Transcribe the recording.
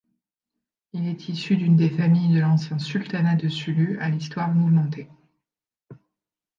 Il est issu d’une des familles de l’ancien Sultanat de Sulu, à l’histoire mouvementée.